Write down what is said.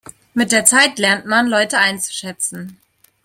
Mit der Zeit lernt man Leute einzuschätzen.